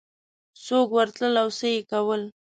څوک ورتلل او څه یې کول